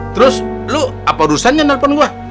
terus lu apa urusan nye nelfon gua